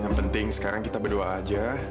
yang penting sekarang kita berdua saja